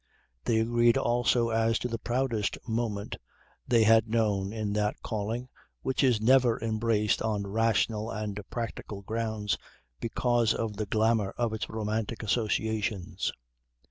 They agreed also as to the proudest moment they had known in that calling which is never embraced on rational and practical grounds, because of the glamour of its romantic associations.